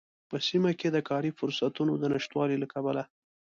په سيمه کې د کاری فرصوتونو د نشتوالي له کبله